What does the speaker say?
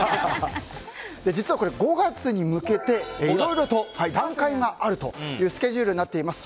実はこれ５月に向けていろいろと段階があるというスケジュールになっています。